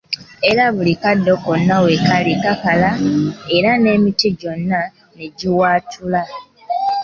Era buli kaddo konna wekali kakala era n'emiti gyonna negiwaatula.